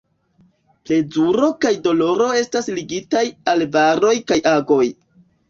Plezuro kaj doloro estas ligitaj al varoj kaj agoj.